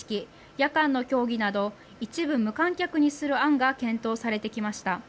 夜間の競技など一部無観客にする案が検討されてきました。